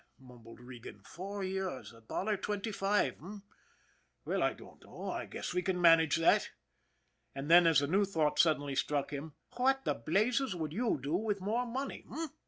" mumbled Regan. " Four years. A dollar twenty five, h'm ? Well, I dunno, I guess we can manage that." And then, as a new thought suddenly struck him :" What the blazes would you do with more money, h'm